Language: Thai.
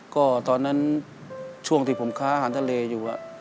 ก็ตอนนั้นช่วงที่ผมค้าอาหารทะเลอยู่